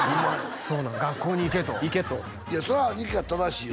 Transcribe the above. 学校に行けと行けといやそりゃ兄貴が正しいよ